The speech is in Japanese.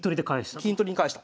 金取りに返した。